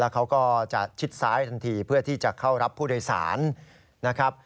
เขาก็จะชิดซ้ายทันทีเพื่อที่จะเข้ารับผู้โดยสารนะครับ